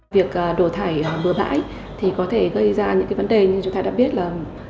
việc đổ thải bừa bãi có thể gây ra những vấn đề như chúng ta đã biết là